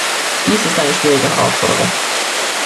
Dies ist eine schwierige Herausforderung.